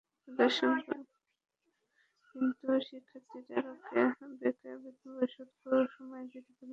কিন্তু শিক্ষার্থীরা বকেয়া বেতন পরিশোধের সময় দিতে প্রধান শিক্ষককে অনুরোধ করে।